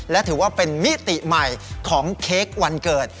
และถือว่าเป็นมิติใหม่ของเค้กวันเกิด